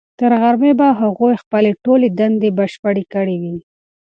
تر غرمې به هغوی خپلې ټولې دندې بشپړې کړې وي.